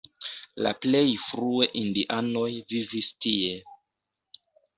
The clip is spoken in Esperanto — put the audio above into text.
La plej frue indianoj vivis tie.